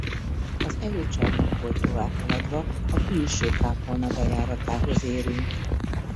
Az előcsarnokból továbbhaladva a külső kápolna bejáratához érünk.